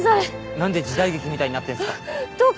何で時代劇みたいになってんすか。